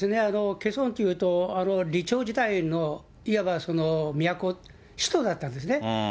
ケソンというと、李朝時代のいわば都、首都だったんですね。